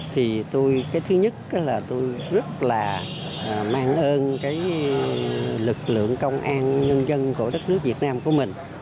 thì cái thứ nhất là tôi rất là mang ơn cái lực lượng công an nhân dân của đất nước việt nam của mình